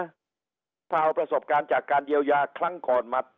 ถ้าเอาประสบการณ์จากการเยียวยาครั้งก่อนมา